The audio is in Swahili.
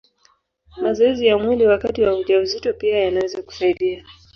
Mazoezi ya mwili wakati wa ujauzito pia yanaweza kusaidia.